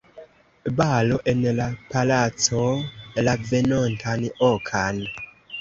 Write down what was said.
Balo en la palaco, la venontan okan.